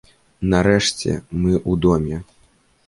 Нарэшце мы ў доме.